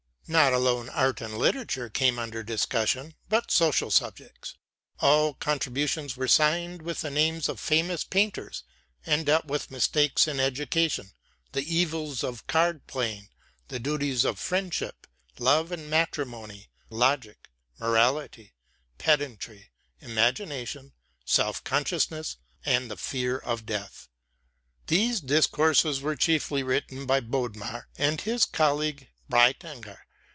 Not alone art and literature came under discussion, but social subjects. All contributions were signed with the names of famous painters, and dealt with mistakes in education, the evils of card playing, the duties of friendship, love and matrimony, logic, morality, pedantry, imagination, self consciousness, and the fear of death. These discourses were chiefly written by Bodmer and his colleague Breitinger.